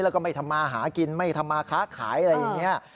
แล้วก็ไม่ทำมาหากินไม่ทำมาค้าขายอะไรอย่างนี้